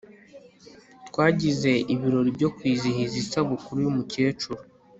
twagize ibirori byo kwizihiza isabukuru yumukecuru